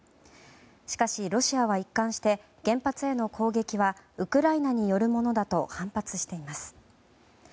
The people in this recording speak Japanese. しかし、ロシアは一貫して原発への攻撃はウクライナによるものだと反発しています。